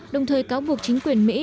đồng thời cáo buộc chính quyền mỹ